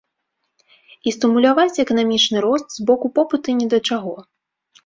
І стымуляваць эканамічны рост з боку попыту ні да чаго.